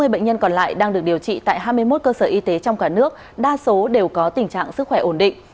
sáu mươi bệnh nhân còn lại đang được điều trị tại hai mươi một cơ sở y tế trong cả nước đa số đều có tình trạng sức khỏe ổn định